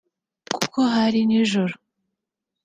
Kuko hari nijoro